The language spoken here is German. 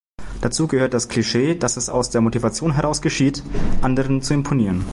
Dazu gehört das Klischee, dass es aus der Motivation heraus geschieht, anderen zu imponieren.